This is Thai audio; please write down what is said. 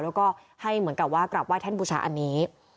แล้วก็ให้เหมือนกับว่ากราบไห้ท่านบูชาอันนี้